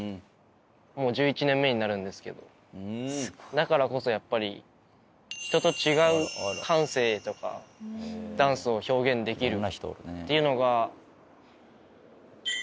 だからこそやっぱり人と違う感性とかダンスを表現できるっていうのが。